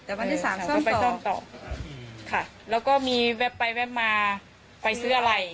แต่วันที่สามหนูก็ไปซ่อมต่อค่ะแล้วก็มีแวบไปแวบมาไปซื้ออะไร